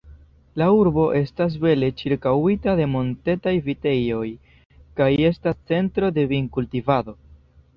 La urbo estas bele ĉirkaŭita de montetaj vitejoj, kaj estas centro de vinkultivado.